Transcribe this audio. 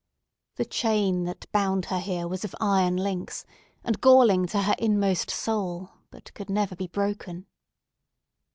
The chain that bound her here was of iron links, and galling to her inmost soul, but could never be broken.